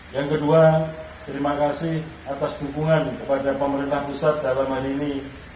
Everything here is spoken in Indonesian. yang kedua terima kasih atas dukungan kepada pemerintah pusat dalam hal ini